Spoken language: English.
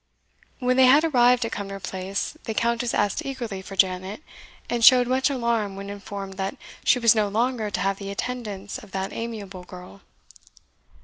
When they had arrived at Cumnor Place, the Countess asked eagerly for Janet, and showed much alarm when informed that she was no longer to have the attendance of that amiable girl.